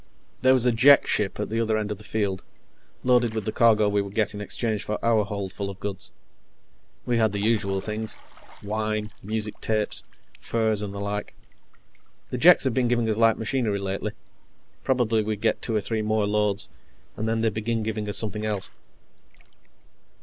There was a Jek ship at the other end of the field, loaded with the cargo we would get in exchange for our holdful of goods. We had the usual things; wine, music tapes, furs, and the like. The Jeks had been giving us light machinery lately probably we'd get two or three more loads, and then they'd begin giving us something else.